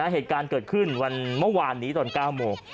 เหตุการณ์เกิดขึ้นวันเมื่อวานนี้ตอน๙โมง